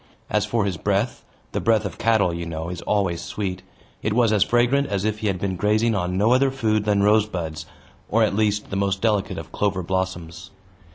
As for his breath the breath of cattle, you know, is always sweet it was as fragrant as if he had been grazing on no other food than rosebuds, or at least, the most delicate of clover blossoms.